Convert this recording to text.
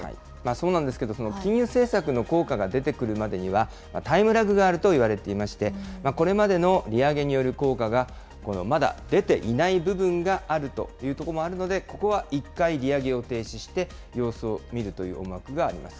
そうなんですけど、金融政策の効果が出てくるまでには、タイムラグがあるといわれていまして、これまでの利上げによる効果がまだ出ていない部分があるというところもあるので、ここは一回利上げを停止して、様子を見るという思惑があります。